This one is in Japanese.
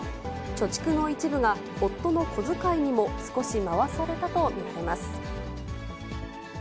貯蓄の一部が、夫の小遣いにも少し回されたと見られます。